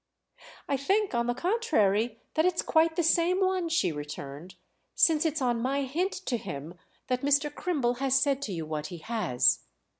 "I think on the contrary that it's quite the same one," she returned—"since it's on my hint to him that Mr. Crimble has said to you what he has."